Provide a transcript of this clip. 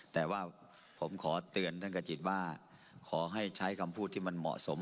แต่ว่าผมขอเตือนท่านกระจิตว่าขอให้ใช้คำพูดที่มันเหมาะสม